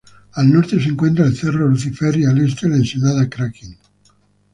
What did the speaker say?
Al norte se encuentra el cerro Lucifer y al este la ensenada Kraken.